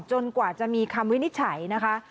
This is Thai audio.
กว่าจะมีคำวินิจฉัยนะคะ